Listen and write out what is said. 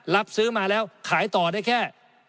รับซื้อมาแล้วขายต่อได้แค่